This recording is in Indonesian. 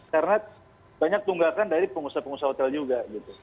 karena banyak tunggakan dari pengusaha pengusaha hotel juga